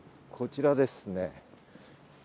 こちらですね。